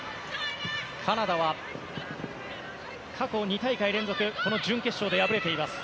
カナダは過去２大会連続この準決勝で敗れています。